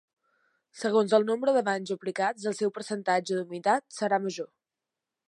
Segons el nombre de banys aplicats el seu percentatge d'humitat serà major.